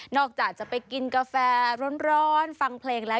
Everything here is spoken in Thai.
จากจะไปกินกาแฟร้อนฟังเพลงแล้ว